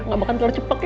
gak makan telur ceplok ya